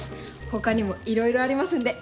他にもいろいろありますんで。